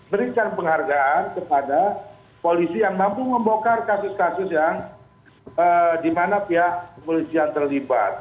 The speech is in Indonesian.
berikan penghargaan kepada polisi yang mampu membongkar kasus kasus yang di mana pihak kepolisian terlibat